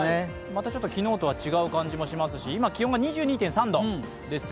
また昨日とは違う感じもしますし今気温が２２．３度です。